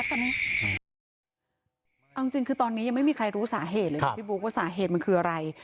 เอาจริงคือตอนนี้ยังไม่มีใครรู้สาเหตุเลยครับพี่บุ๊คว่าสาเหตุมันคืออะไร